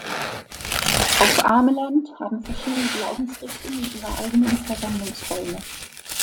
Auf Ameland haben verschiedene Glaubensrichtungen ihre eigenen Versammlungsräume.